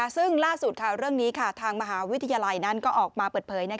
ซึ่งล่าสุดเรื่องนี้ทางมหาวิทยาลัยนั้นก็ออกมาเปิดเผย